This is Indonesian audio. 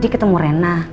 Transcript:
dia ketemu rena